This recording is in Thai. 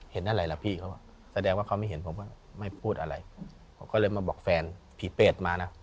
เห็นอะไรล่ะพี่เขาบอกแสดงว่าเขาไม่เห็นผมก็ไม่พูดอะไรผมก็เลยมาบอกแฟนผีเปรตมานะ